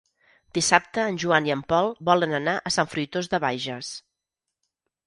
Dissabte en Joan i en Pol volen anar a Sant Fruitós de Bages.